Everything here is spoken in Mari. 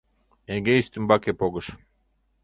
Эйге ӱстембаке погыш.